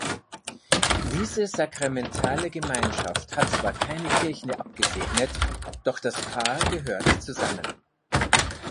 Diese „sakramentale Gemeinschaft“ hat zwar keine Kirche abgesegnet, doch das Paar gehört zusammen.